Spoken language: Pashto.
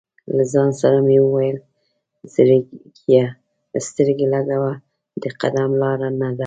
له ځان سره مې ویل: "زړګیه سترګې لګوه، د قدم لاره نه ده".